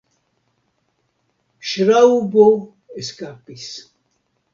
Ŝraŭbo eskapis.